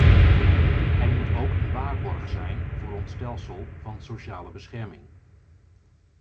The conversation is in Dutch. Hij moet ook een waarborg zijn voor ons stelsel van sociale bescherming.